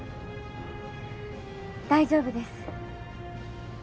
大丈夫です。